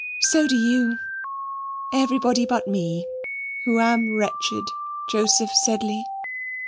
So do you! Everybody but me, who am wretched, Joseph Sedley."